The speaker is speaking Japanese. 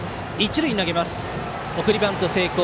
送りバント成功。